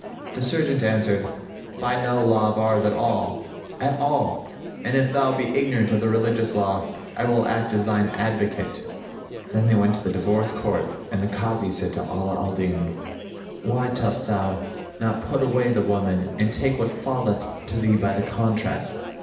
The serjeant answered, "By no law of ours at all, at all; and if thou be ignorant of the religious law, I will act as thine advocate." Then they went to the divorce court and the Kazi said to Ala al Din, "Why dost thou not put away the woman and take what falleth to thee by the contract?"